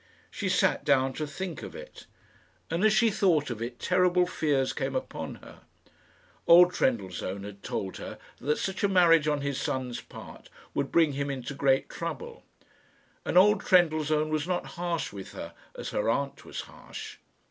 She sat down to think of it; and as she thought of it terrible fears came upon her. Old Trendellsohn had told her that such a marriage on his son's part would bring him into great trouble; and old Trendellsohn was not harsh with her as her aunt was harsh.